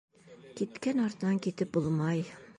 Киткән артынан китеп булмай.